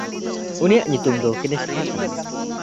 ᱩᱱᱤᱭᱟᱜ ᱧᱩᱛᱩᱢ ᱫᱚ ᱠᱮᱱᱮᱥᱦᱟ ᱠᱟᱱᱟ᱾